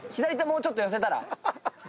もうちょっと寄せたら？